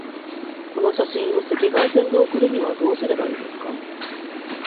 この写真を赤外線で送るにはどうすればいいですか？